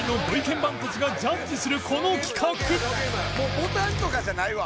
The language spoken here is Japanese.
ボタンとかじゃないわ。